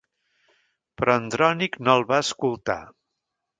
Però Andrònic no el va escoltar.